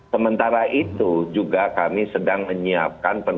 sementara itu juga kami sedang menyiapkan perusahaan minyak goreng